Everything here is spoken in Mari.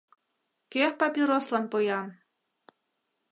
— Кӧ папирослан поян?